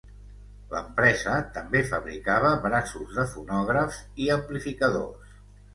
L'empresa també fabricava braços de fonògrafs i amplificadors.